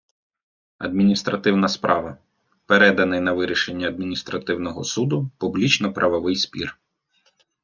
адміністративна справа - переданий на вирішення адміністративного суду публічно-правовий спір